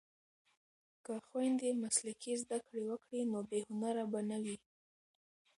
که خویندې مسلکي زده کړې وکړي نو بې هنره به نه وي.